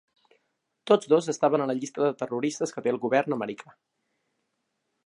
Tots dos estaven a la llista de terroristes que té el govern americà.